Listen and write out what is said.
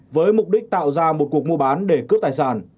với mục đích tạo ra một cuộc mua bán để cướp tài sản